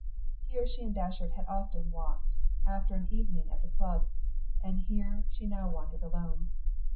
Here she and Datcherd had often walked, after an evening at the Club, and here she now wandered alone.